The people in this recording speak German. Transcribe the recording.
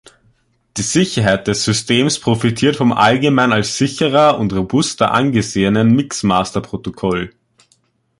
Die Sicherheit des Systems profitiert vom allgemein als sicherer und robuster angesehenen Mixmaster-Protokoll.